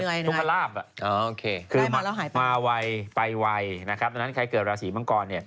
จับไม่ได้เรื่อยมาวัยไปไวใดใครเกิดราศีมังกร